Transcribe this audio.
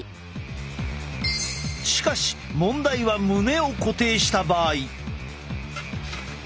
しかし問題は胸を固定した場合。